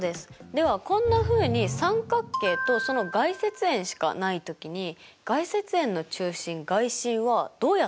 ではこんなふうに三角形とその外接円しかない時に外接円の中心外心はどうやったら求められると思いますか？